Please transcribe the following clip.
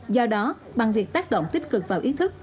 do đó bằng việc tác động tích cực vào ý thức